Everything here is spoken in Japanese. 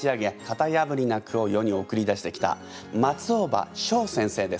型やぶりな句を世に送り出してきた松尾葉翔先生です。